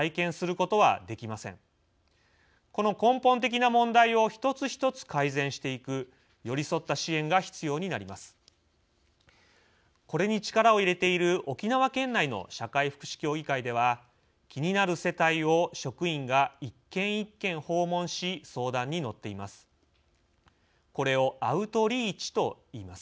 これに力を入れている沖縄県内の社会福祉協議会では気になる世帯を職員が一軒一軒、訪問し相談に乗っています。